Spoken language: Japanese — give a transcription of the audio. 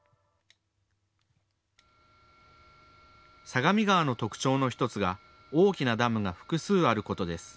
相模川の特徴の１つが大きなダムが複数あることです。